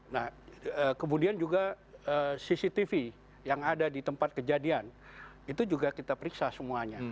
nah kemudian juga cctv yang ada di tempat kejadian itu juga kita periksa semuanya